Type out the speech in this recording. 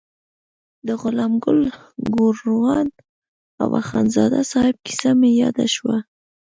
د غلام ګل ګوروان او اخندزاده صاحب کیسه مې یاده شوه.